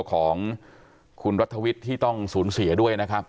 ของคุณรัฐวิทย์ที่ต้องสูญเสียด้วยนะครับ